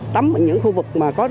tắm ở những khu vực mà còn có